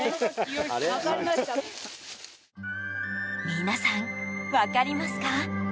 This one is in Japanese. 皆さん分かりますか？